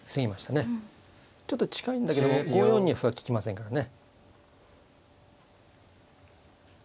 ちょっと近いんだけども５四には歩は利きませんからね。